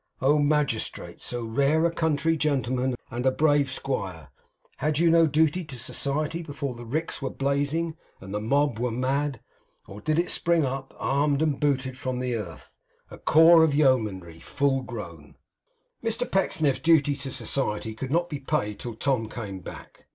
Oh! magistrate, so rare a country gentleman and brave a squire, had you no duty to society, before the ricks were blazing and the mob were mad; or did it spring up, armed and booted from the earth, a corps of yeomanry full grown! Mr Pecksniff's duty to society could not be paid till Tom came back.